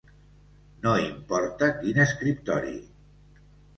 No importa quin escriptori!